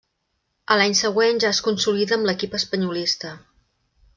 A l'any següent ja es consolida amb l'equip espanyolista.